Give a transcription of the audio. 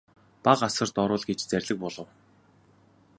Бага асарт оруул гэж зарлиг буулгав.